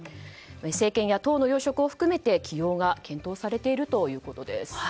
政権や党の要職を含めて起用が検討されているということです。